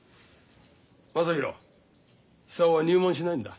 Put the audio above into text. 正浩久男は入門しないんだ。